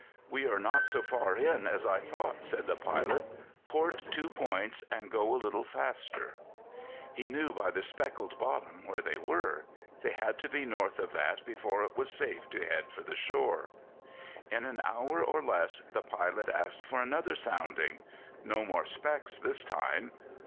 "We are not so far in as I thought," said the pilot. "Port two points and go a little faster." He knew by the speckled bottom where they were. They had to be north of that before it was safe to head for the shore. In an hour or less the pilot asked for another sounding. No more specks this time.